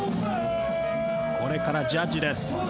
これからジャッジです。